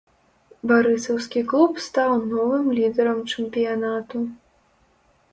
Барысаўскі клуб стаў новым лідарам чэмпіянату.